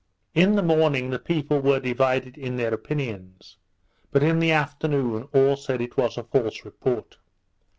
In the morning, the people were divided in their opinions; but in the afternoon, all said it was a false report.